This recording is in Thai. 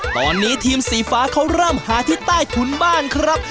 ตอนนี้ทีมสีฟ้าเขาเริ่มหาที่ใต้ถุนบ้านครับ